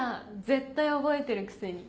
絶対覚えてるくせに。